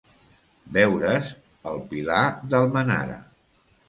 Veure's el Pilar d'Almenara.